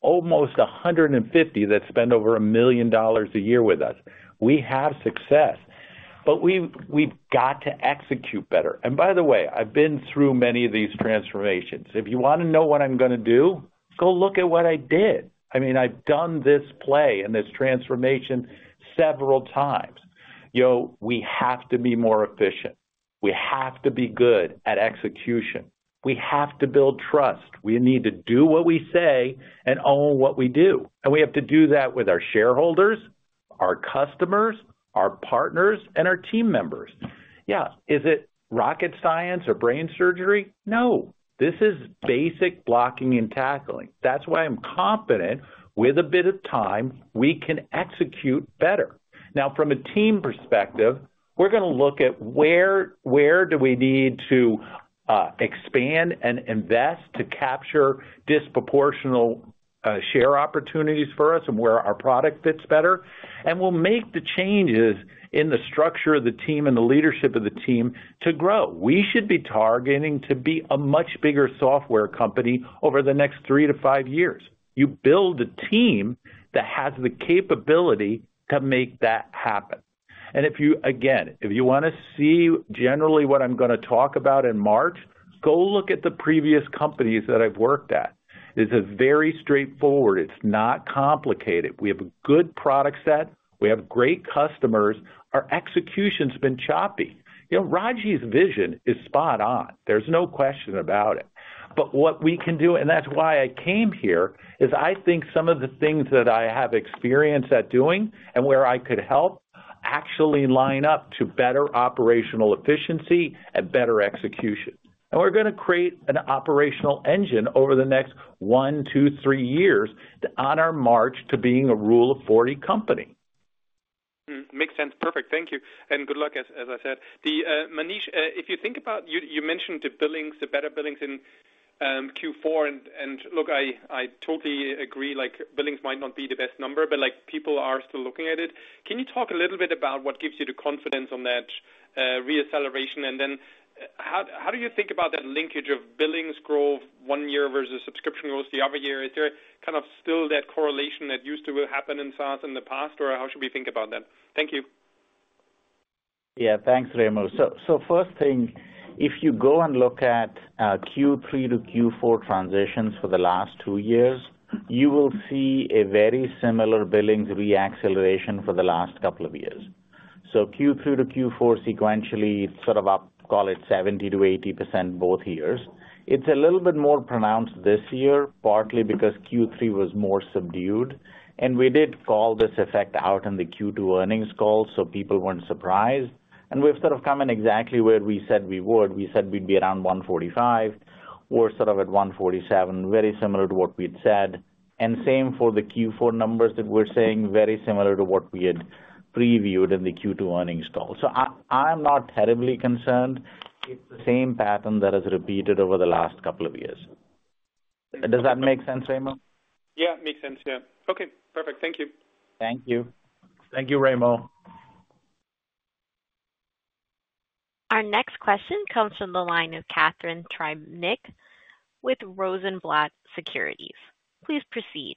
almost 150 that spend over $1 million a year with us. We have success, but we've got to execute better. And by the way, I've been through many of these transformations. If you want to know what I'm going to do, go look at what I did. I mean, I've done this play and this transformation several times. We have to be more efficient. We have to be good at execution. We have to build trust. We need to do what we say and own what we do. And we have to do that with our shareholders, our customers, our partners, and our team members. Yeah. Is it rocket science or brain surgery? No. This is basic blocking and tackling. That's why I'm confident with a bit of time, we can execute better. Now, from a team perspective, we're going to look at where do we need to expand and invest to capture disproportional share opportunities for us and where our product fits better. And we'll make the changes in the structure of the team and the leadership of the team to grow. We should be targeting to be a much bigger software company over the next three to five years. You build a team that has the capability to make that happen. And again, if you want to see generally what I'm going to talk about in March, go look at the previous companies that I've worked at. It's very straightforward. It's not complicated. We have a good product set. We have great customers. Our execution has been choppy. Ragy's vision is spot on. There's no question about it, but what we can do, and that's why I came here, is I think some of the things that I have experience at doing and where I could help actually line up to better operational efficiency and better execution, and we're going to create an operational engine over the next one, two, three years on our march to being a Rule of 40 company. Makes sense. Perfect. Thank you. And good luck, as I said. Manish, if you think about you mentioned the better billings in Q4. And look, I totally agree. Billings might not be the best number, but people are still looking at it. Can you talk a little bit about what gives you the confidence on that reacceleration? And then how do you think about that linkage of billings growth one year versus subscription growth the other year? Is there kind of still that correlation that used to happen in SaaS in the past, or how should we think about that? Thank you. Yeah. Thanks, Raimo. So first thing, if you go and look at Q3 to Q4 transitions for the last two years, you will see a very similar billings reacceleration for the last couple of years. So Q3 to Q4 sequentially sort of up, call it 70%-80% both years. It's a little bit more pronounced this year, partly because Q3 was more subdued. And we did call this effect out in the Q2 earnings call so people weren't surprised. And we've sort of come in exactly where we said we would. We said we'd be around 145. We're sort of at 147, very similar to what we'd said. And same for the Q4 numbers that we're saying, very similar to what we had previewed in the Q2 earnings call. So I'm not terribly concerned. It's the same pattern that has repeated over the last couple of years. Does that make sense, Raimo? Yeah. Makes sense. Yeah. Okay. Perfect. Thank you. Thank you. Thank you, Raimo. Our next question comes from the line of Catharine Trebnick with Rosenblatt Securities. Please proceed.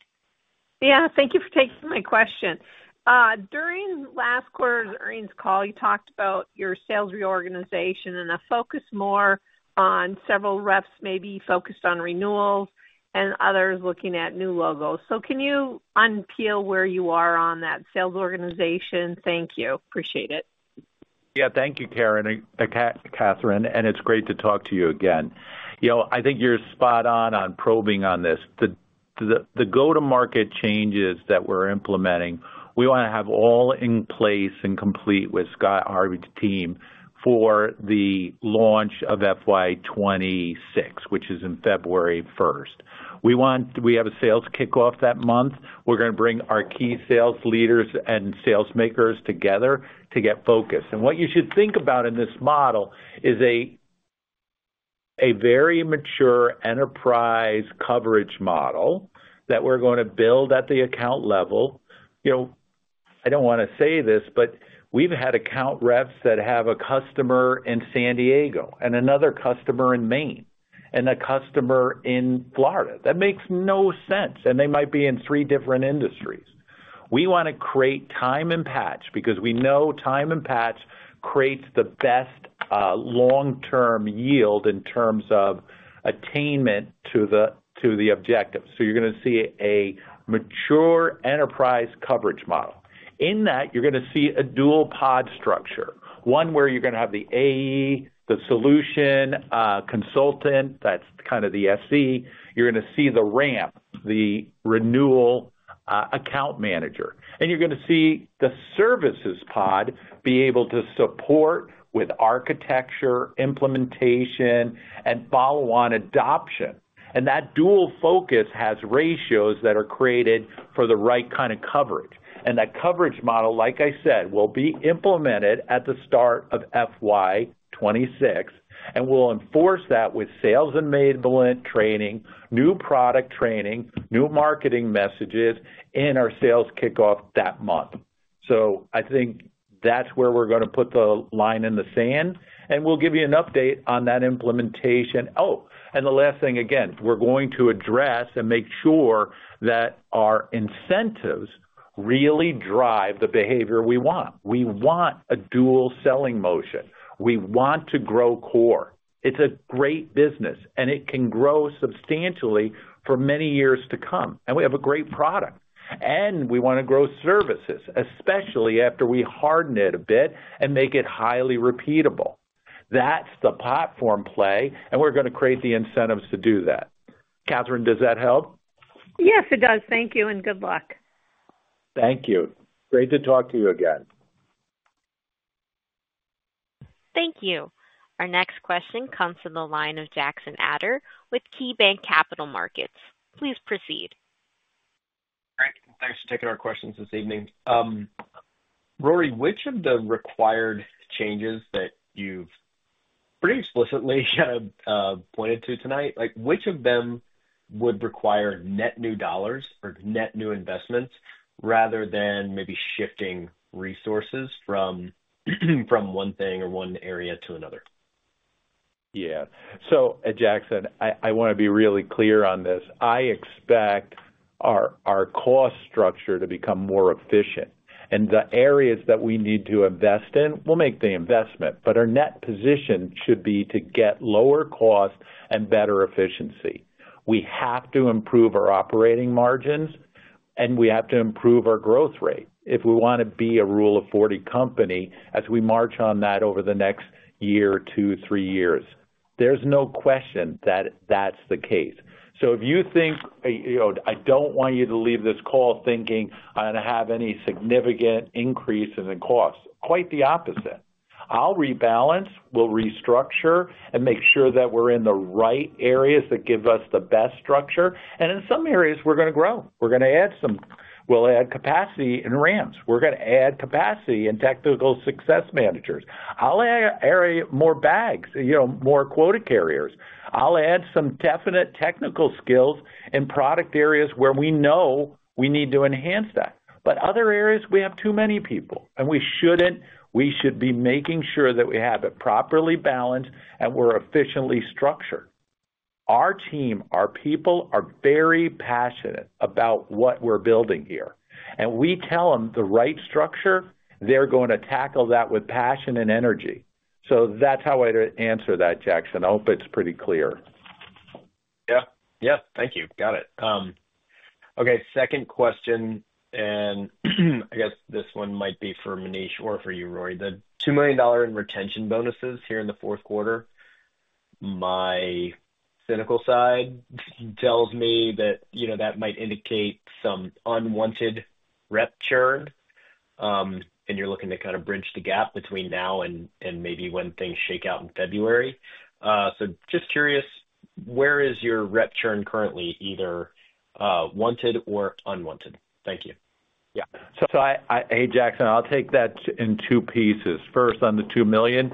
Yeah. Thank you for taking my question. During last quarter's earnings call, you talked about your sales reorganization and a focus more on several reps maybe focused on renewals and others looking at new logos. So can you unveil where you are on that sales organization? Thank you. Appreciate it. Yeah. Thank you, Karen and Catharine. And it's great to talk to you again. I think you're spot on on probing on this. The go-to-market changes that we're implementing, we want to have all in place and complete with Scott Harvey's team for the launch of FY26, which is in February 1st. We have a sales kickoff that month. We're going to bring our key sales leaders and salesmakers together to get focused. And what you should think about in this model is a very mature enterprise coverage model that we're going to build at the account level. I don't want to say this, but we've had account reps that have a customer in San Diego and another customer in Maine and a customer in Florida. That makes no sense. And they might be in three different industries. We want to create time and path because we know time and path creates the best long-term yield in terms of attainment to the objective. So you're going to see a mature enterprise coverage model. In that, you're going to see a dual pod structure, one where you're going to have the AE, the solution consultant, that's kind of the SE. You're going to see the RAM, the renewal account manager. And you're going to see the services pod be able to support with architecture, implementation, and follow-on adoption. And that dual focus has ratios that are created for the right kind of coverage. And that coverage model, like I said, will be implemented at the start of FY26 and will enforce that with sales enablement training, new product training, new marketing messages in our sales kickoff that month. So I think that's where we're going to put the line in the sand. And we'll give you an update on that implementation. Oh, and the last thing, again, we're going to address and make sure that our incentives really drive the behavior we want. We want a dual selling motion. We want to grow core. It's a great business, and it can grow substantially for many years to come. And we have a great product. And we want to grow services, especially after we harden it a bit and make it highly repeatable. That's the platform play, and we're going to create the incentives to do that. Catherine, does that help? Yes, it does. Thank you and good luck. Thank you. Great to talk to you again. Thank you. Our next question comes from the line of Jackson Ader with KeyBank Capital Markets. Please proceed. Thanks for taking our questions this evening. Rory, which of the required changes that you've pretty explicitly pointed to tonight, which of them would require net new dollars or net new investments rather than maybe shifting resources from one thing or one area to another? Yeah. So Jackson, I want to be really clear on this. I expect our cost structure to become more efficient. And the areas that we need to invest in, we'll make the investment, but our net position should be to get lower cost and better efficiency. We have to improve our operating margins, and we have to improve our growth rate if we want to be a Rule of 40 company as we march on that over the next year, two, three years. There's no question that that's the case. So if you think, "I don't want you to leave this call thinking I'm going to have any significant increase in the cost," quite the opposite. I'll rebalance. We'll restructure and make sure that we're in the right areas that give us the best structure. And in some areas, we're going to grow. We're going to add some, we'll add capacity in RAMs. We're going to add capacity in technical success managers. I'll add more bags, more quota carriers. I'll add some definite technical skills in product areas where we know we need to enhance that. But other areas, we have too many people, and we shouldn't. We should be making sure that we have it properly balanced and we're efficiently structured. Our team, our people are very passionate about what we're building here. And we tell them the right structure, they're going to tackle that with passion and energy. So that's how I'd answer that, Jackson. I hope it's pretty clear. Yeah. Yeah. Thank you. Got it. Okay. Second question, and I guess this one might be for Manish or for you, Rory. The $2 million in retention bonuses here in the fourth quarter, my cynical side tells me that might indicate some unwanted rep churn, and you're looking to kind of bridge the gap between now and maybe when things shake out in February. So just curious, where is your rep churn currently, either wanted or unwanted? Thank you. Yeah. So hey, Jackson, I'll take that in two pieces. First, on the $2 million,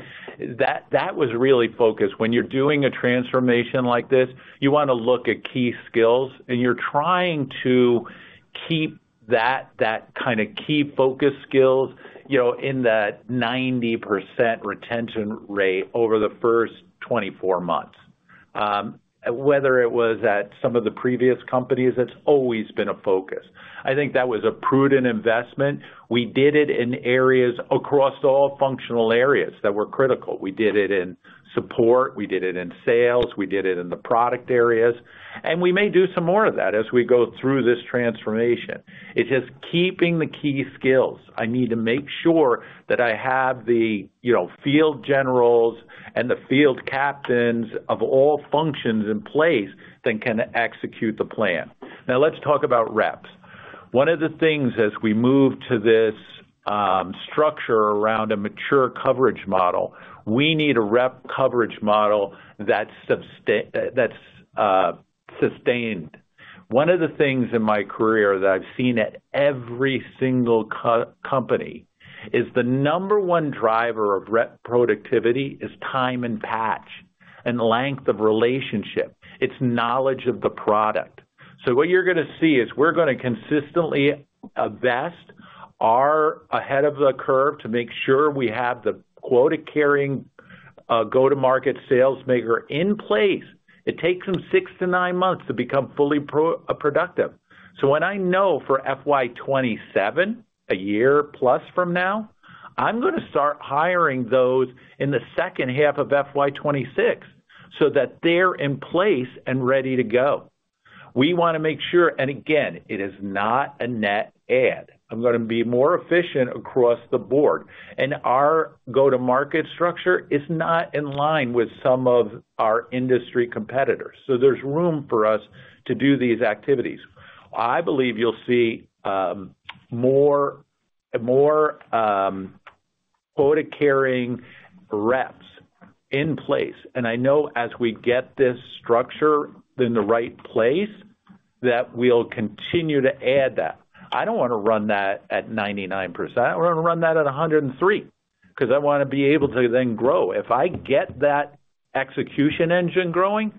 that was really focused. When you're doing a transformation like this, you want to look at key skills, and you're trying to keep that kind of key focus skills in that 90% retention rate over the first 24 months. Whether it was at some of the previous companies, that's always been a focus. I think that was a prudent investment. We did it in areas across all functional areas that were critical. We did it in support. We did it in sales. We did it in the product areas. And we may do some more of that as we go through this transformation. It's just keeping the key skills. I need to make sure that I have the field generals and the field captains of all functions in place that can execute the plan. Now, let's talk about reps. One of the things as we move to this structure around a mature coverage model, we need a rep coverage model that's sustained. One of the things in my career that I've seen at every single company is the number one driver of rep productivity is time and patch and length of relationship. It's knowledge of the product. So what you're going to see is we're going to consistently invest, are ahead of the curve to make sure we have the quota-carrying go-to-market salesmaker in place. It takes them six to nine months to become fully productive. So when I know for FY27, a year plus from now, I'm going to start hiring those in the second half of FY26 so that they're in place and ready to go. We want to make sure, and again, it is not a net add. I'm going to be more efficient across the board. Our go-to-market structure is not in line with some of our industry competitors. So there's room for us to do these activities. I believe you'll see more quota-carrying reps in place. I know as we get this structure in the right place, that we'll continue to add that. I don't want to run that at 99%. I want to run that at 103% because I want to be able to then grow. If I get that execution engine growing,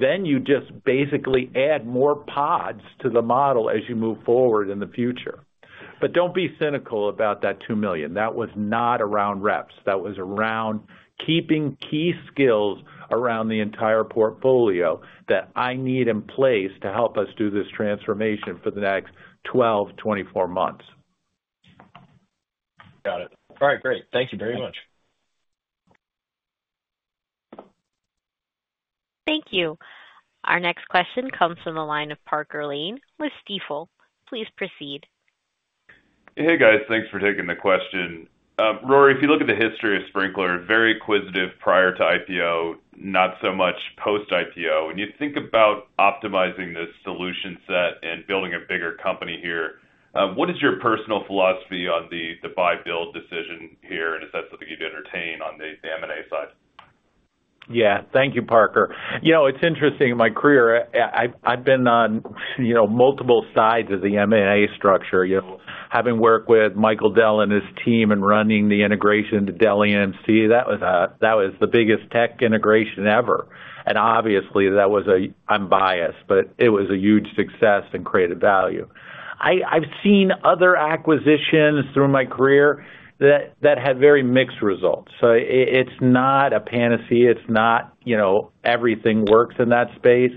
then you just basically add more pods to the model as you move forward in the future. Don't be cynical about that 2 million. That was not around reps. That was around keeping key skills around the entire portfolio that I need in place to help us do this transformation for the next 12-24 months. Got it. All right. Great. Thank you very much. Thank you. Our next question comes from the line of Parker Lane with Stifel. Please proceed. Hey, guys. Thanks for taking the question. Rory, if you look at the history of Sprinklr, very acquisitive prior to IPO, not so much post-IPO. When you think about optimizing this solution set and building a bigger company here, what is your personal philosophy on the buy-build decision here? And is that something you'd entertain on the M&A side? Yeah. Thank you, Parker. It's interesting. My career, I've been on multiple sides of the M&A structure. Having worked with Michael Dell and his team and running the integration to Dell EMC, that was the biggest tech integration ever. And obviously, that was unbiased, but it was a huge success and created value. I've seen other acquisitions through my career that had very mixed results. So it's not a panacea. It's not everything works in that space.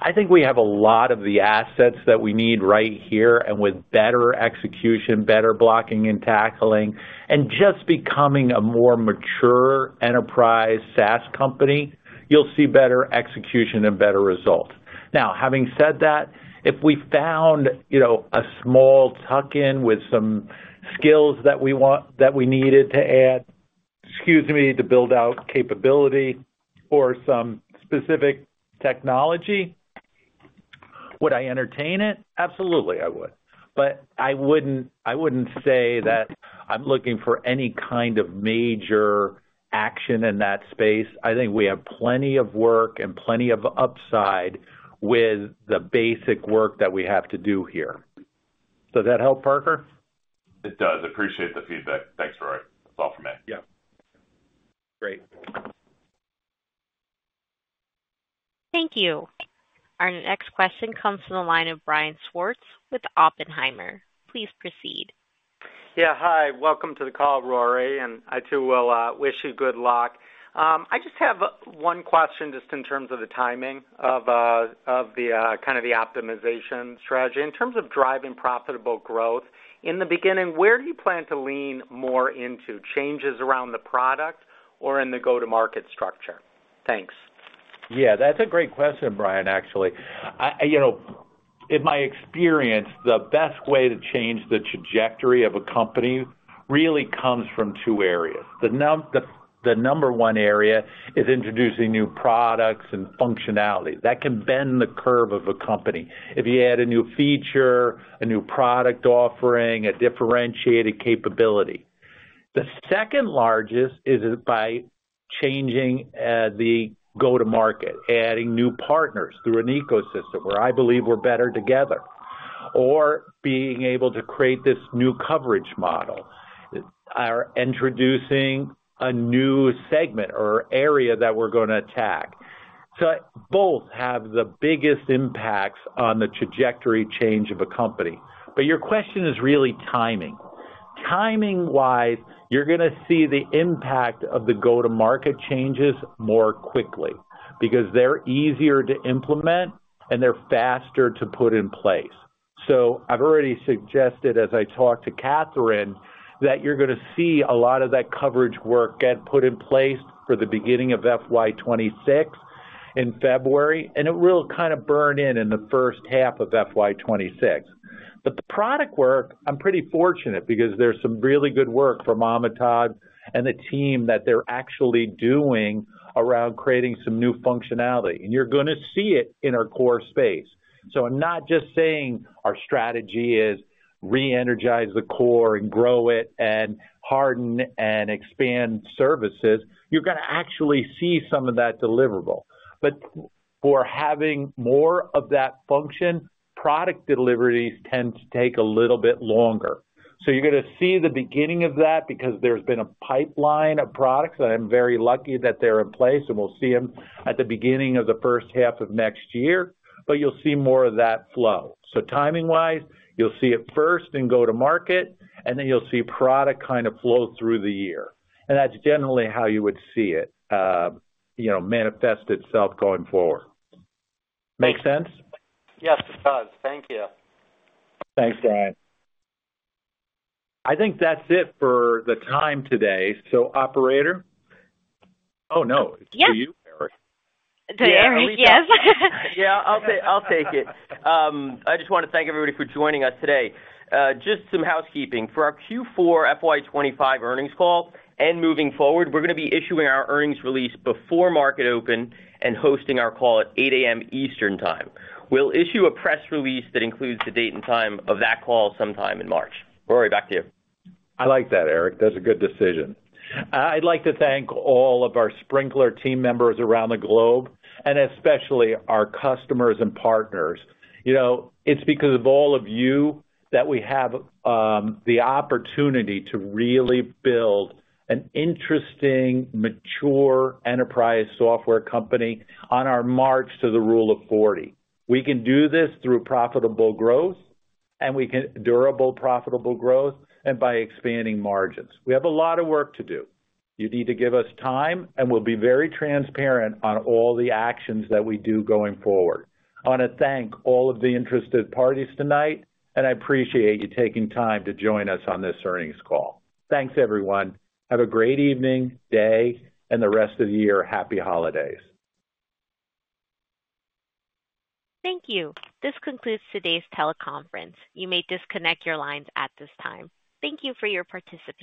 I think we have a lot of the assets that we need right here. And with better execution, better blocking and tackling, and just becoming a more mature enterprise SaaS company, you'll see better execution and better results. Now, having said that, if we found a small tuck-in with some skills that we needed to add, excuse me, to build out capability or some specific technology, would I entertain it? Absolutely, I would. But I wouldn't say that I'm looking for any kind of major action in that space. I think we have plenty of work and plenty of upside with the basic work that we have to do here. Does that help, Parker? It does. Appreciate the feedback. Thanks, Rory. That's all for me. Yeah. Great. Thank you. Our next question comes from the line of Brian Schwartz with Oppenheimer. Please proceed. Yeah. Hi. Welcome to the call, Rory. And I too will wish you good luck. I just have one question just in terms of the timing of kind of the optimization strategy. In terms of driving profitable growth, in the beginning, where do you plan to lean more into? Changes around the product or in the go-to-market structure? Thanks. Yeah. That's a great question, Brian, actually. In my experience, the best way to change the trajectory of a company really comes from two areas. The number one area is introducing new products and functionality. That can bend the curve of a company if you add a new feature, a new product offering, a differentiated capability. The second largest is by changing the go-to-market, adding new partners through an ecosystem where I believe we're better together, or being able to create this new coverage model, introducing a new segment or area that we're going to attack. So both have the biggest impacts on the trajectory change of a company. But your question is really timing. Timing-wise, you're going to see the impact of the go-to-market changes more quickly because they're easier to implement and they're faster to put in place. I've already suggested, as I talked to Catherine, that you're going to see a lot of that coverage work get put in place for the beginning of FY26 in February, and it will kind of burn in in the first half of FY26. But the product work, I'm pretty fortunate because there's some really good work from Amitabh and the team that they're actually doing around creating some new functionality. And you're going to see it in our core space. I'm not just saying our strategy is re-energize the core and grow it and harden and expand services. You're going to actually see some of that deliverable. But for having more of that function, product deliveries tend to take a little bit longer. You're going to see the beginning of that because there's been a pipeline of products. I'm very lucky that they're in place, and we'll see them at the beginning of the first half of next year, but you'll see more of that flow, so timing-wise, you'll see it first in go-to-market, and then you'll see product kind of flow through the year, and that's generally how you would see it manifest itself going forward. Makes sense? Yes, it does. Thank you. Thanks, Brian. I think that's it for the time today. So operator? Oh, no. It's to you, Mary. Yes. Yeah. I'll take it. I just want to thank everybody for joining us today. Just some housekeeping. For our Q4 FY25 earnings call and moving forward, we're going to be issuing our earnings release before market open and hosting our call at 8:00 A.M. Eastern Time. We'll issue a press release that includes the date and time of that call sometime in March. Rory, back to you. I like that, Eric. That's a good decision. I'd like to thank all of our Sprinklr team members around the globe, and especially our customers and partners. It's because of all of you that we have the opportunity to really build an interesting, mature enterprise software company on our march to the Rule of 40. We can do this through profitable growth and durable profitable growth and by expanding margins. We have a lot of work to do. You need to give us time, and we'll be very transparent on all the actions that we do going forward. I want to thank all of the interested parties tonight, and I appreciate you taking time to join us on this earnings call. Thanks, everyone. Have a great evening, day, and the rest of the year. Happy holidays. Thank you. This concludes today's teleconference. You may disconnect your lines at this time. Thank you for your participation.